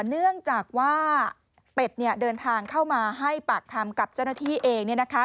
เนื่องจากว่าเป็ดเดินทางเข้ามาให้ปากคำกับเจ้าหน้าที่เอง